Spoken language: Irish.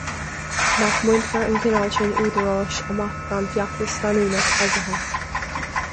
Nach mbainfear an cineál sin údaráis amach gan feachtas leanúnach eagraithe.